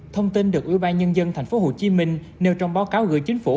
thông tin được ủy ban nhân dân tp hcm nêu trong báo cáo gửi chính phủ